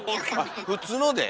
あっ普通ので？